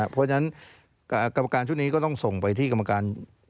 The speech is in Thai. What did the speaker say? เพราะฉะนั้นกรรมการชุดนี้ก็ต้องส่งไปที่กรรมการ